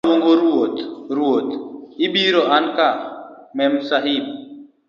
mama luongo ruoth ruoth. obiro anka Memsahib.